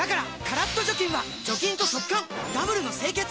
カラッと除菌は除菌と速乾ダブルの清潔！